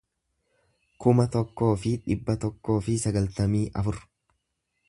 kuma tokkoo fi dhibba tokkoo fi sagaltamii afur